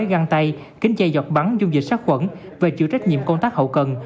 găng tay kính chay dọc bắn dung dịch sát khuẩn và chịu trách nhiệm công tác hậu cần